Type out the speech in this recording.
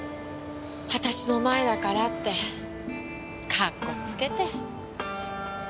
私の前だからってかっこつけて。